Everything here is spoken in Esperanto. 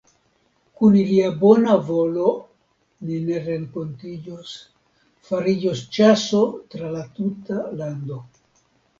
Kun ilia bona volo ni ne renkontiĝos; fariĝos ĉaso tra la tuta lando.